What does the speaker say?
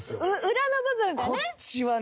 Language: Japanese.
裏の部分がね。